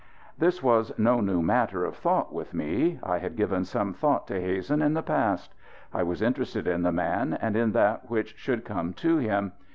This was no new matter of thought with me. I had given some thought to Hazen in the past. I was interested in the man and in that which should come to him.